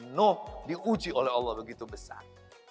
noh diuji oleh allah begitu besar